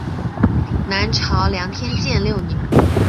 南朝梁天监六年。